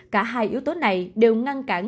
cả hai yếu tố này đều ngăn cản